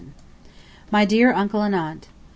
MY DEAR UNCLE AND AUNT